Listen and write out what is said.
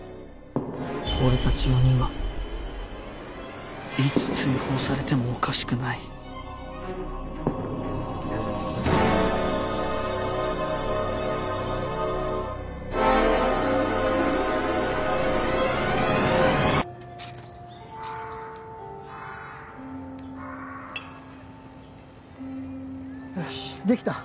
俺たち４人はいつ追放されてもおかしくないよしできた。